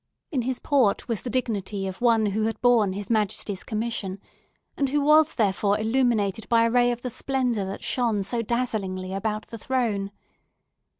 In his port was the dignity of one who had borne His Majesty's commission, and who was therefore illuminated by a ray of the splendour that shone so dazzlingly about the throne.